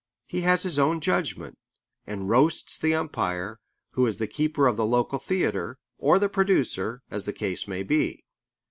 He has his own judgment, and roasts the umpire: who is the keeper of the local theatre: or the producer, as the case may be.